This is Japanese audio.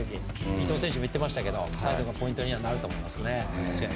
伊東選手も言っていましたがサイドがポイントにはなると思います。